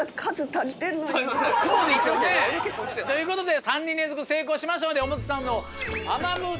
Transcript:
そうですよね。ということで３人連続成功しましたので。